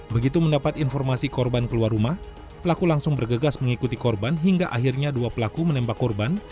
begitu mendapat informasi korban keluar rumah pelaku langsung bergegas mengikuti korban hingga akhirnya dua pelaku menembak korban